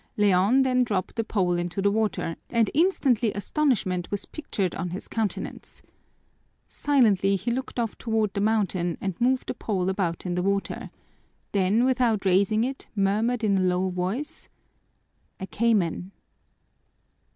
Leon then dropped the pole into the water and instantly astonishment was pictured on his countenance. Silently he looked off toward the mountain and moved the pole about in the water, then without raising it murmured in a low voice: "A cayman!"